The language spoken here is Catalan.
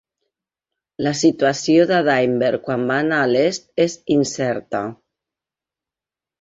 La situació de Daimbert quan va anar a l'est és incerta.